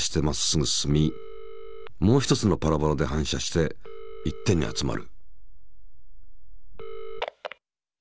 もう一つのパラボラで反射して一点に集まる。